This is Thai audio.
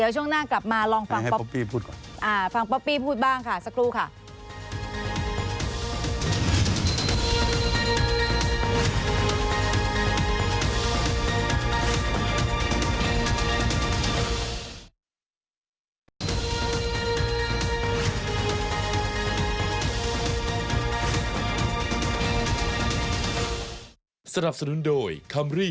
ช่วงหน้ากลับมาลองฟังฟังป๊อปปี้พูดบ้างสักครู่ค่ะ